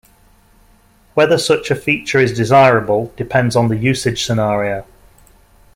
Whether such a feature is desirable depends on the usage scenario.